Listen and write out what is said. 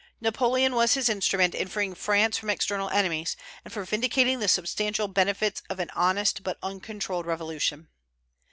Napoleon was His instrument in freeing France from external enemies, and for vindicating the substantial benefits of an honest but uncontrolled Revolution.